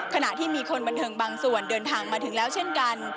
ขณะที่มีคนบันเทิงบางส่วนเดินทางมาถึงแล้วเช่นกัน